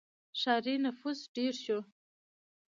• ښاري نفوس ډېر شو.